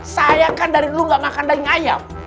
saya kan dari dulu gak makan daging ayam